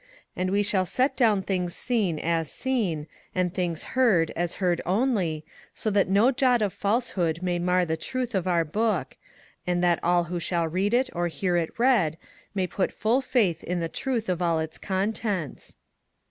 And we shall set down things seen as seen, and things heard as heard only, so that no jot of falsehood may mar the truth of our Book, and that all who shall read it or hear it read may put full faith in the truth of all its contents.